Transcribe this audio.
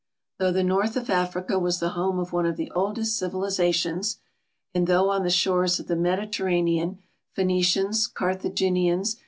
Though tlie north of Africa was the home of one of the oldest civilizations, and though on the shores of the Med iterranean Pluenicians, Carthaginians.